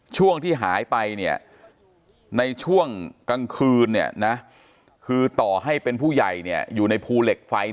ช่วงที่หายไปเนี่ยในช่วงกลางคืนคือต่อให้เป็นผู้ใหญ่อยู่ในภูเหล็กไฟ